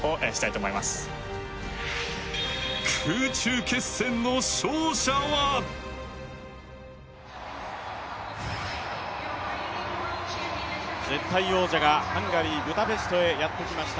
空中決戦の勝者は絶対王者がハンガリー・ブダペストへやってきました。